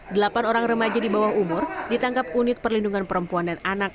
delapan orang remaja di bawah umur ditangkap unit perlindungan perempuan dan anak